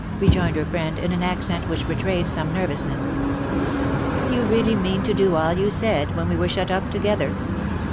rejoined her friend in an accent which betrayed some nervousness. " You really mean to do all you said when we were shut up together?"